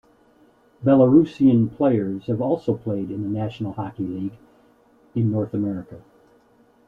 Belarusian players have also played in the National Hockey League in North America.